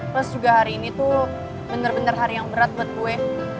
plus juga hari ini tuh bener bener hari yang berat buat gue